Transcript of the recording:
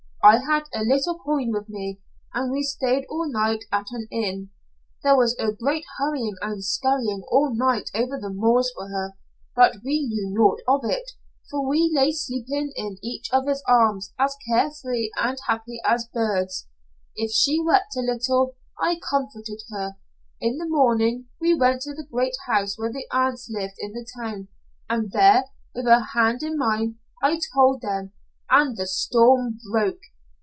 I had a little coin with me, and we stayed all night at an inn. There was a great hurrying and scurrying all night over the moors for her, but we knew naught of it, for we lay sleeping in each other's arms as care free and happy as birds. If she wept a little, I comforted her. In the morning we went to the great house where the aunts lived in the town, and there, with her hand in mine, I told them, and the storm broke.